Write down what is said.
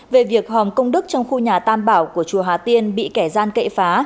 về việc hòm công đức trong khu nhà tam bảo của chùa hà tiên bị kẻ gian cậy phá